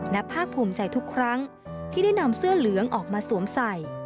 และภาคภูมิใจทุกครั้งที่ได้นำเสื้อเหลืองออกมาสวมใส่